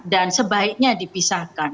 dan sebaiknya dipisahkan